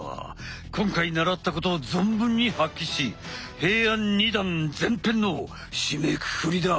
今回習ったことを存分に発揮し平安二段前編の締めくくりだ！